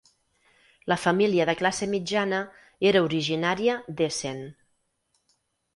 La família de classe mitjana era originària d'Essen.